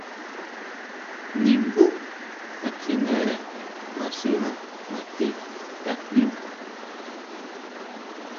Ningú ka kjinere naxína nati jñú.